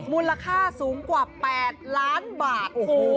มูลค่าสูงกว่า๘ล้านบาท